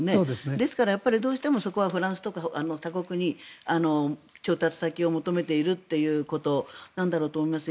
ですから、どうしてもそこはフランスとか他国に調達先を求めているんだろうと思います。